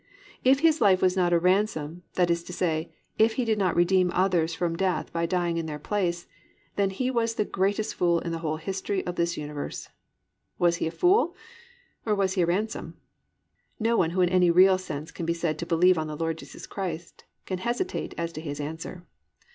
"+ If His life was not a ransom, that is to say, if He did not redeem others from death by dying in their place, then He was the greatest fool in the whole history of this universe. Was He a fool or was He a ransom? No one who in any real sense can be said to believe on the Lord Jesus Christ can hesitate as to his answer.